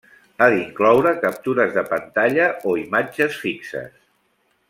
Ha d’incloure captures de pantalla o imatges fixes.